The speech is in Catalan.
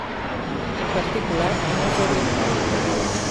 En particular, és no orientable.